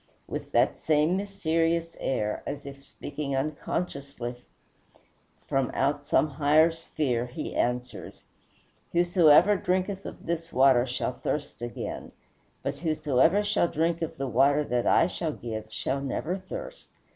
With that same mysterious air, as if speaking unconsciously from out some higher sphere, he answers, "Whosoever drinketh of this water shall thirst again; but whosoever shall drink of the water that I shall give shall never thirst.